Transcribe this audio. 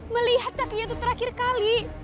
melihat kakinya itu terakhir kali